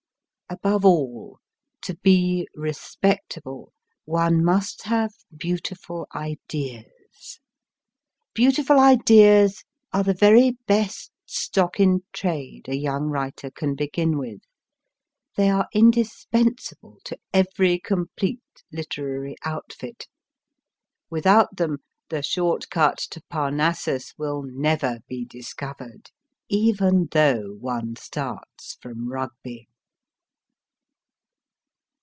Above all, to be respectable, one must have beautiful ideas/ Beautiful ideas are the very best stock in trade a young writer can begin with. They are indispensable to every complete literary outfit. Without them, the short cut to Parnassus will never be discovered, even though one starts from Rugby.